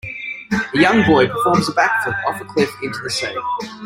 A young boy performs a backflip off a cliff, into the sea.